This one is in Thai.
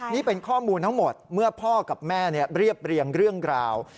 นี่เป็นข้อมูลทั้งหมดเมื่อพ่อกับแม่เรียบเรียงเรื่องราว